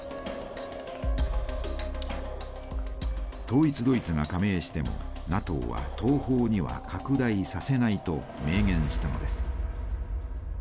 統一ドイツが加盟してもＮＡＴＯは東方には拡大させないと明言したのです。